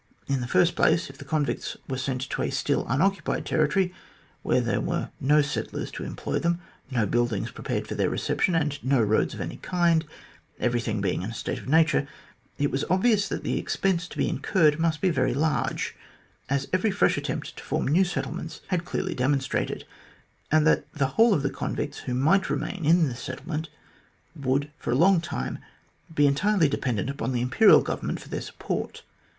In the first place, if convicts were sent to a still unoccupied territory, where there were no settlers to employ them, no buildings prepared for their reception, and no roads of any kind, everything being in a state of nature, it was obvious that the expense to be incurred must be very large, as every fresh attempt to form new settlements had clearly demonstrated, and that the whole of the convicts who might remain in the settle ment would for a long time be entirely dependent upon the Imperial Government for their support.